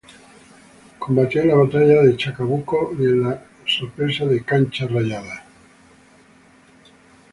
Combatió en la batalla de Chacabuco y en la sorpresa de Cancha Rayada.